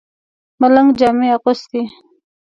ملنګ جامې اغوستې.